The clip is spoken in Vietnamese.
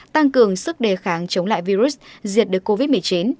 tăng cường sức đề kháng chống lại virus diệt được covid một mươi chín